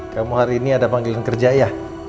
kamu hari ini ada panggilan kerja ya